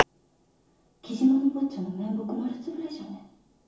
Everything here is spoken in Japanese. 雉真の坊ちゃんの面目丸潰れじゃね。